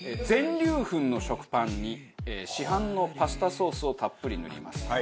全粒粉の食パンに市販のパスタソースをたっぷり塗ります。